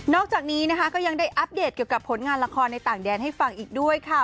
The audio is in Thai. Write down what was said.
อกจากนี้นะคะก็ยังได้อัปเดตเกี่ยวกับผลงานละครในต่างแดนให้ฟังอีกด้วยค่ะ